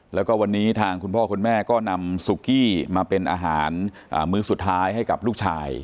แล้วก็วันนี้ทางคุณพ่อคุณแม่ก็นำซุกี้มาเป็นอาหารมื้อสุดท้ายให้กับลูกชาย